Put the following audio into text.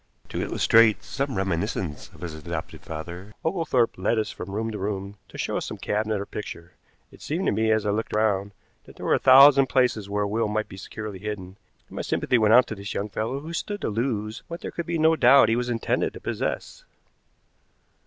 To illustrate some reminiscence of his adopted father, Oglethorpe led us from room to room to show us some cabinet or picture. It seemed to me, as I looked round, that there were a thousand places where a will might be securely hidden, and my sympathy went out to this young fellow who stood to lose what there could be no doubt he was intended to possess.